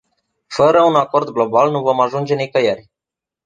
Fără un acord global, nu vom ajunge nicăieri.